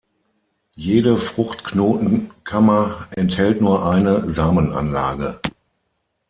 Jede Fruchtknotenkammer enthält nur eine Samenanlage.